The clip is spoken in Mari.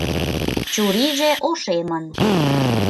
Чурийже ошемын.